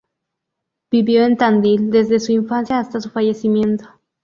Vivió en Tandil desde su infancia hasta su fallecimiento.